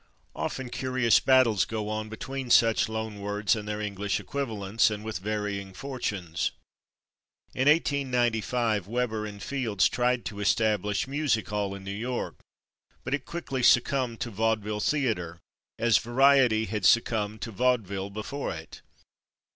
Often curious battles go on between such loan words and their English equivalents, and with varying fortunes. In 1895 Weber and Fields tried to establish /music hall/ in New York, but it quickly succumbed to /vaudeville theatre/, as /variety/ had succumbed to /vaudeville/ before it.